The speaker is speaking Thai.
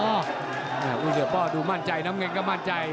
โอวิสเทอร์ปเปล่าดูมั่นใจน้ำเงงก็มั่นใจ